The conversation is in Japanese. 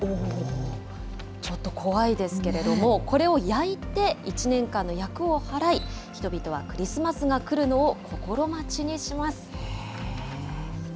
ちょっと怖いですけれども、これを焼いて、１年間の厄を払い、人々はクリスマスが来るのを心待ちにします。